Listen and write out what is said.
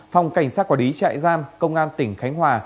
phòng cảnh sát quản lý trại giam công an tỉnh khánh hòa